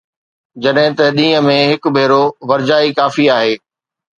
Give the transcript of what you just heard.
جڏهن ته ڏينهن ۾ هڪ ڀيرو ورجائي ڪافي آهي